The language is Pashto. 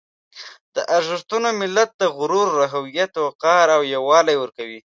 دا ارزښتونه ملت ته غرور، هویت، وقار او یووالی ورکوي.